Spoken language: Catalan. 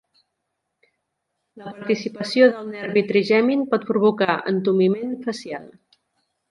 La participació del nervi trigemin pot provocar entumiment facial.